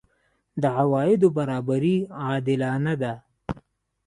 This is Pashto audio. د عوایدو برابري عادلانه ده؟